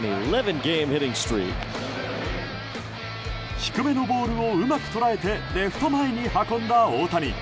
低めのボールをうまく捉えてレフト前に運んだ大谷。